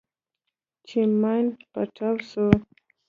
چې ماين پټاو سو.